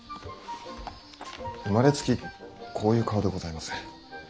生まれつきこういう顔でございます。